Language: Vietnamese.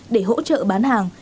để hỗ trợ bán hàng